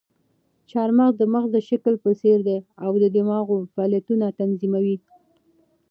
چهارمغز د مغز د شکل په څېر دي او د دماغو فعالیتونه تنظیموي.